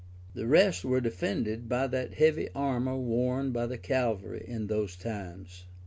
The rest were defended by that heavy armor worn by the cavalry in those times.